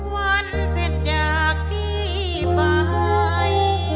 วันเพ็ญจากพี่ไป